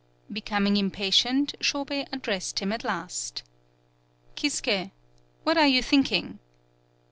Becoming impatient, Shobei ad dressed him at last : "Kisuke, what are you thinking?"